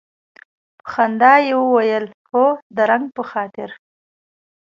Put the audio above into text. په خندا یې وویل هو د رنګ په خاطر.